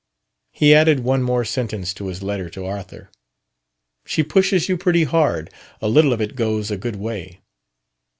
He added one more sentence to his letter to "Arthur": "She pushes you pretty hard. A little of it goes a good way..."